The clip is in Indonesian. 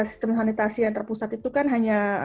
sistem sanitasi yang terpusat itu kan hanya